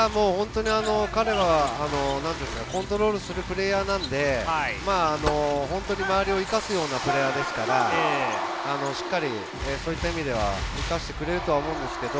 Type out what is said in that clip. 彼はコントロールするプレーヤーなので、周りを生かすようなプレーヤーですから、そういった意味では生かしてくれるとは思うんですけれども、